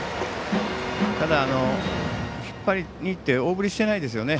ただ、引っ張って大振りしていないですね。